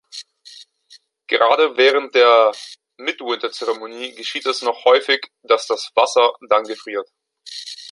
Gerade während der Midwinter-Zeremonie geschieht es noch häufig, dass das Wasser dann gefriert.